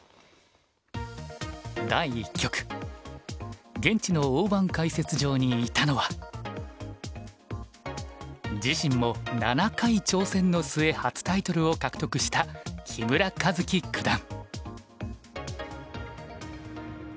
第１局現地の大盤解説場に居たのは自身も７回挑戦の末初タイトルを獲得した木村一基九段。